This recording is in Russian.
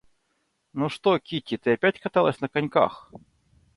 Ну что, Кити, ты опять каталась на коньках?..